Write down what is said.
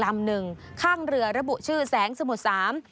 ประโมงลำหนึ่งข้างเรือระบุชื่อแสงสมุดสาม